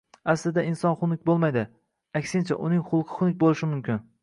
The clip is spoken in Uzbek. Aslida inson xunuk bo`lmaydi, aksincha uning xulqi xunuk bo`lishi mumkin